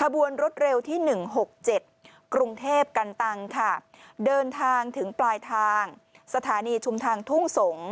ขบวนรถเร็วที่๑๖๗กรุงเทพกันตังค่ะเดินทางถึงปลายทางสถานีชุมทางทุ่งสงศ์